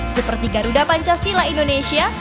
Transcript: seperti garuda pancasila